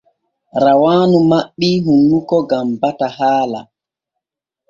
Rawaanu maɓɓii hunnuko gam bata haala.